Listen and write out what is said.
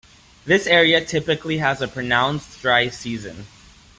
This area typically has a pronounced dry season.